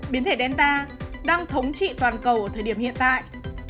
biến thể delta đang thống trị toàn cầu ở thời điểm hiện tại